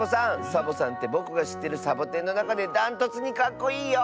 サボさんってぼくがしってるサボテンのなかでだんとつにかっこいいよ！